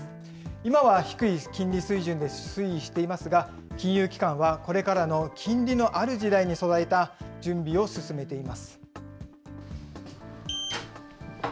今は低い金利水準で推移していますが、金融機関はこれからの金利のある時代に備えた準備を進めています。